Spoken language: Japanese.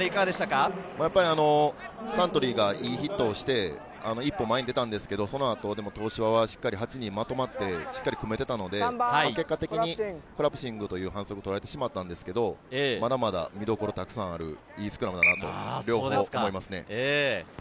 サントリーがいいヒットをして、一歩前に出たんですけれど、そのあと東芝はしっかり８人まとまって組めていたので、結果的にコラプシングという反則を取られてしまったんですが、まだまだ見どころはたくさんあるいいスクラムだなと思いますね。